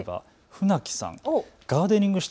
船木さん